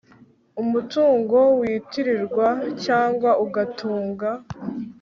umutungo witirirwa cyangwa ugatunga